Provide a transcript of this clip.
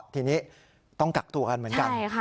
ทีนี้ต้องกักตัวกันเหมือนกัน